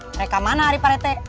mereka mana hari parete